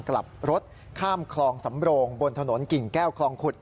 กลับรถข้ามคลองสำโรงบนถนนกิ่งแก้วคลองขุด